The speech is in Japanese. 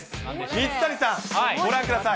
水谷さん、ご覧ください。